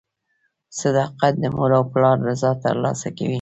• صداقت د مور او پلار رضا ترلاسه کوي.